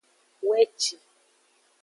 Weci.